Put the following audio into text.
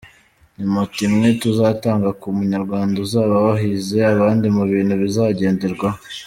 Ni moto imwe tuzatanga ku munyarwanda uzaba wahize abandi mu bintu bizagenderwaho.